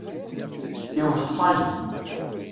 Iweṣṣa-yi.